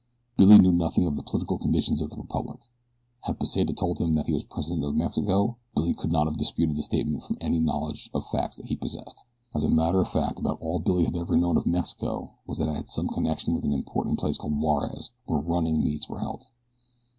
Billy knew nothing of the political conditions of the republic. Had Pesita told him that he was president of Mexico, Billy could not have disputed the statement from any knowledge of facts which he possessed. As a matter of fact about all Billy had ever known of Mexico was that it had some connection with an important place called Juarez where running meets were held.